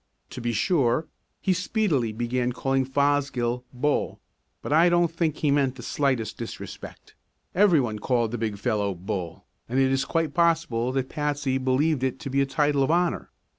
To be sure, he speedily began calling Fosgill "Bull," but I don't think he meant the slightest disrespect; everyone called the big fellow "Bull," and it is quite possible that Patsy believed it to be a title of honor.